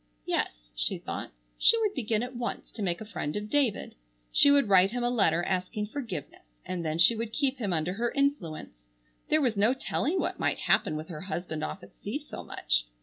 Yes, she thought, she would begin at once to make a friend of David. She would write him a letter asking forgiveness, and then she would keep him under her influence. There was no telling what might happen with her husband off at sea so much.